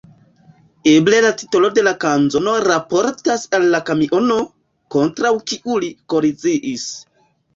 Eble la titolo de la kanzono raportas al la kamiono, kontraŭ kiu li koliziis.